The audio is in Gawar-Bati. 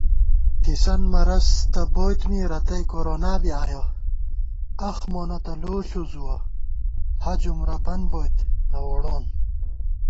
تھِسنت مرض تہ بوئیت می رتیّ کورونا بی آیَہ * اخ مونہ تہ لو ݪُزُوَہ حج عمرہ بن بوئیت نہ ووڑون